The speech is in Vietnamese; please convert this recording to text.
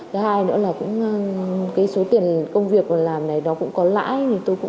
thứ hai nữa là số tiền công việc làm này cũng có lãi